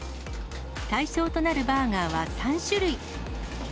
対象となるバーガーは３種類。